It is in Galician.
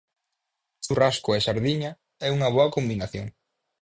Churrasco e sardiña é unha boa combinación.